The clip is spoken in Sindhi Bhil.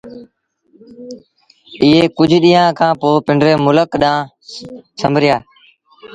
ائيٚݩ ڪجھ ڏيݩهآݩ کآݩ پو پنڊري ملڪ ڏآݩهݩ سنبريآ